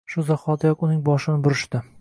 Shu zahotiyoq uning boshini burishdi.